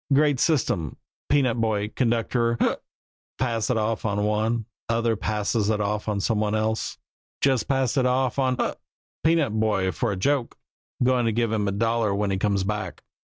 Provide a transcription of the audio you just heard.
Great system peanut boy conductor hic! Pass it off on one other passes it off on some one else. Just passed it off on hic! peanut boy for a joke. Goin' to give him a dollar when he comes back."